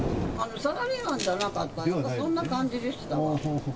サラリーマンではなかった、そんな感じでした。